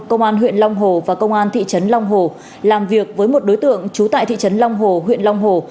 công an huyện long hồ và công an thị trấn long hồ làm việc với một đối tượng trú tại thị trấn long hồ huyện long hồ